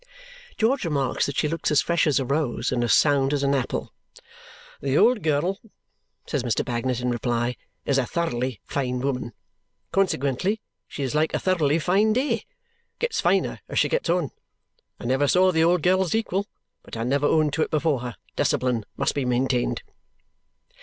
George remarks that she looks as fresh as a rose and as sound as an apple. "The old girl," says Mr. Bagnet in reply, "is a thoroughly fine woman. Consequently she is like a thoroughly fine day. Gets finer as she gets on. I never saw the old girl's equal. But I never own to it before her. Discipline must be maintained!"